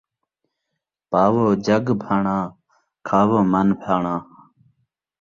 پاوو جڳ بھاݨا، کھاوو من بھاݨا